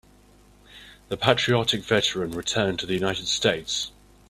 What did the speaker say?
The patriotic veteran returned to the United States.